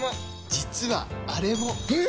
実はあれも！え！？